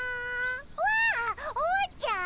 わあおうちゃん？